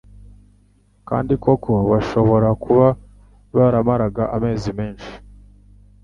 Kandi koko bashobora kuba baramaraga amezi menshi